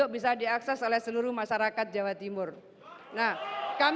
dua puluh empat palace facebook membentuk masa betul melemput hutan